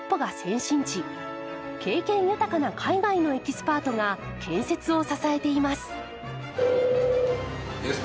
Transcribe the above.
経験豊かな海外のエキスパートが建設を支えています。